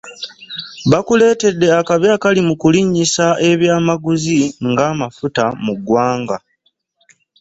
Bakuleetedde akabi akali mu kulinnyisa eby'amaguzi ng'amafuta mu ggwanga.